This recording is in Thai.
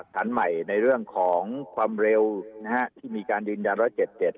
ฐานใหม่ในเรื่องของความเร็วนะฮะที่มีการยืนยันร้อยเจ็ดเจ็ด